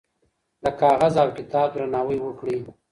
د کاغذ او کتاب درناوی وکړئ.